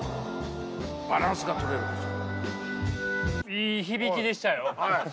いい響きでしたよ。